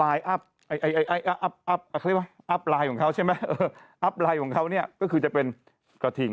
อัพไลน์ของเขาก็คือจะเป็นกระทิ่ง